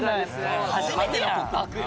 初めての告白よ。